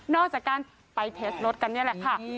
จากการไปเทสรถกันนี่แหละค่ะ